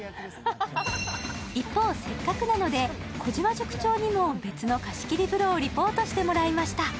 一方、せっかくなので児嶋塾長にも別の貸し切り風呂をリポートしてもらいました。